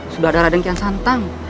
sudah ada raden yang santang